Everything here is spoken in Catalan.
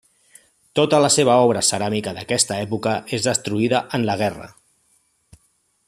Tota la seva obra ceràmica d'aquesta època és destruïda en la guerra.